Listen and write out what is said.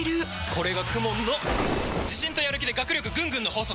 これがＫＵＭＯＮの自信とやる気で学力ぐんぐんの法則！